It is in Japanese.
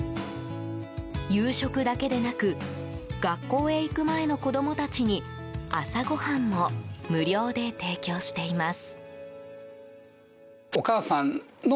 夕食だけでなく学校へ行く前の子供たちに朝ごはんも無料で提供しています。